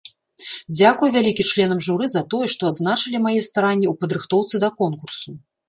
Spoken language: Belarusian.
Дзякуй вялікі членам журы за тое, то адзначылі мае старанні ў падрыхтоўцы да конкурсу.